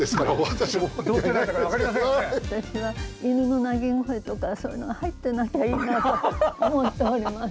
私は犬の鳴き声とかそういうのが入ってないといいなと思っております。